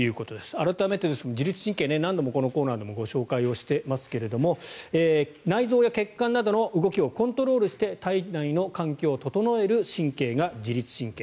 改めてですが自律神経何度もこのコーナーでもご紹介していますが内臓や血管などの動きをコントロールして体内の環境を整える神経が自律神経。